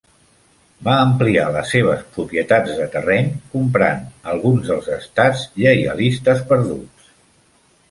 Va ampliar les seves propietats de terreny comprant alguns dels estats lleialistes perduts.